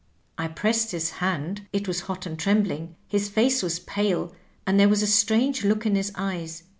I pressed his hand ; it was hot and trembling, his face was pale, and there was a strange look in his eyes.